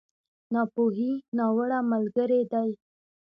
ناپوهي، ناوړه ملګری دی.